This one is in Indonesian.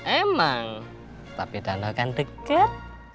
emang tapi danau kan dekat